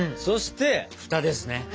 そしてふたですね。